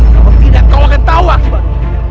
kalau tidak kau akan tawar